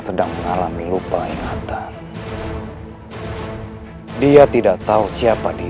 putra kesayangan siliwani